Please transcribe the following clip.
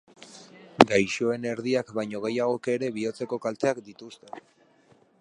Gaixoen erdiak baino gehiagok ere bihotzeko kalteak dituzte.